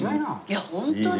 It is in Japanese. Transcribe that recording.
いやホントに。